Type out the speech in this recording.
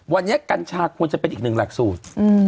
วันนี้กัญชาควรจะเป็นอีกหนึ่งหลักสูตร